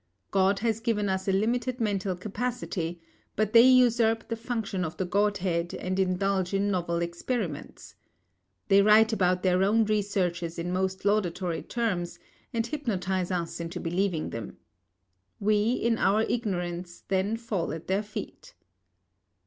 God has given us a limited mental capacity, but they usurp the function of the God head and indulge in novel experiments. They write about their own researches in most laudatory terms and hypnotise us into believing them. We, in our ignorance, then fall at their feet.